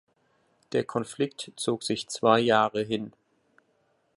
Der Konflikt zog sich zwei Jahre hin.